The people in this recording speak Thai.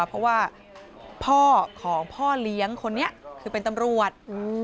เพราะว่าพ่อของพ่อเลี้ยงคนนี้คือเป็นตำรวจ